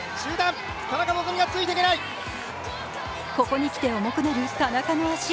ここにきて重くなる田中の足。